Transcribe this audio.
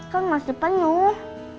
kan masih penuh